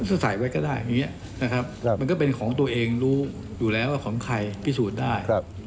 ก็ใส่ไว้ก็ได้อย่างนี้นะครับมันก็เป็นของตัวเองรู้อยู่แล้วว่าของใครพิสูจน์ได้